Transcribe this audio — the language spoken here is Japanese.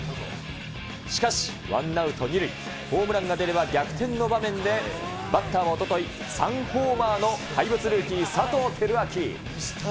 しかし、１アウト２塁、ホームランが出れば逆転の場面で、バッターはおととい、３ホーマーの怪物ルーキー、佐藤てるあき。